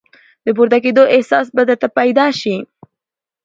د پورته کېدو احساس به درته پیدا شي !